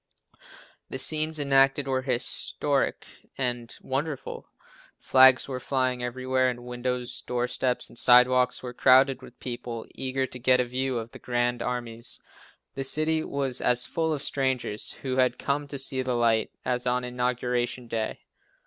The scenes enacted were historic and wonderful. Flags were flying everywhere and windows, doorsteps and sidewalks were crowded with people, eager to get a view of the grand armies. The city was as full of strangers, who had come to see the sight, as on Inauguration Day.